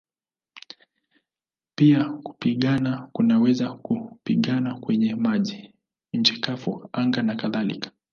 Pia kupigana kunaweza kupigana kwenye maji, nchi kavu, anga nakadhalika.